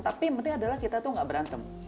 tapi yang penting adalah kita tuh gak berantem